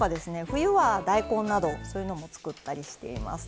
冬は大根などそういうのも作ったりしています。